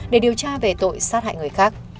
để điều tra về tội sát hại người khác